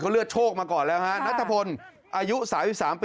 เขาเลือกโชคมาก่อนแล้วนัทธพลอายุสามิสามปี